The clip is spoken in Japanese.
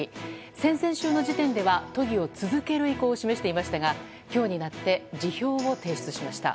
先々週の時点では都議を続ける意向を示していましたが今日になって辞表を提出しました。